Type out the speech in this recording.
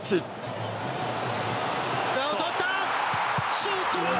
シュートだ！